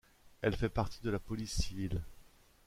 Elle fait partie de la Police Civile.